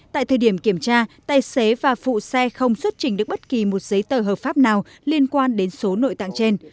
tại thời điểm kiểm tra tài xế và phụ xe không xuất trình được bất kỳ một giấy tờ hợp pháp nào liên quan đến số nội tạng trên